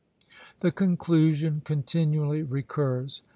The conclusion continually recurs.